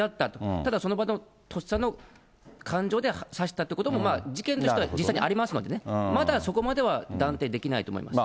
ただその場のとっさの感情で刺したということも、事件としては、実際にありますのでね、まだそこまでは断定できないと思います。